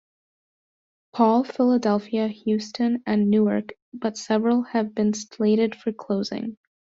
Paul, Philadelphia, Houston, and Newark, but several have been slated for closing.